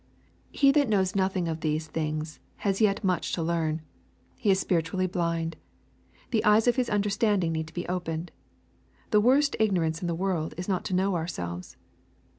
He that knows nothing of these things has yet much to learn. He is spiritually blind. The eyes of his un derstanding need to be opened. The worst ignorance in the world is not to know ourselves.